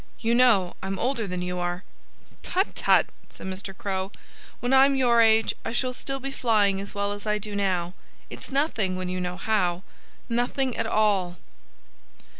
You know, I'm older than you are." "Tut, tut!" said Mr. Crow. "When I'm your age I shall still be flying as well as I do now. It's nothing, when you know how. Nothing at all!"